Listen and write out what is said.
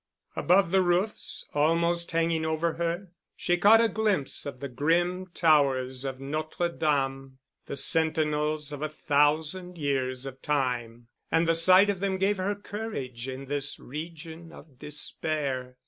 Above the roofs, almost hanging over her, she caught a glimpse of the grim towers of Notre Dame, the sentinels of a thousand years of time, and the sight of them gave her courage in this region of despair.